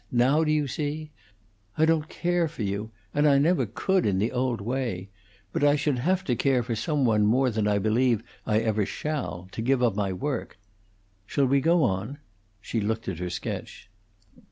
Now do you see? I don't care for you, and I never could in the old way; but I should have to care for some one more than I believe I ever shall to give up my work. Shall we go on?" She looked at her sketch.